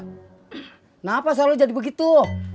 kenapa selalu jadi begitu